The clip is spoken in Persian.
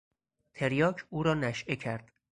تریاک او را نشئه کرد.